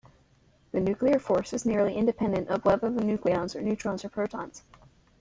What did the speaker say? The nuclear force is nearly independent of whether the nucleons are neutrons or protons.